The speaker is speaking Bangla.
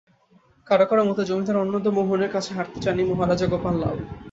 কারও কারও মতে, জমিদার অন্নদামোহনের কাছে হারতে চাননি মহারাজা গোপাল লাল।